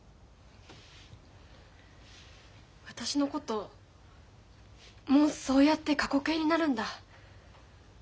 私のこともうそうやって過去形になるんだ。